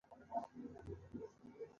اوبه له پاسه خړې دي متل تاریخي شالید لري